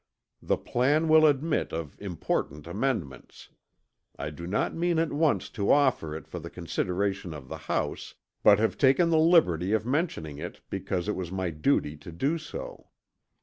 The plan will admit of important amendments. I do not mean at once to offer it for the consideration of the House, but have taken the liberty of mentioning it, because it was my duty to do so.